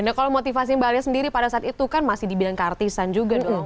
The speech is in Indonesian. nah kalau motivasi mbak alia sendiri pada saat itu kan masih di bidang keartisan juga dong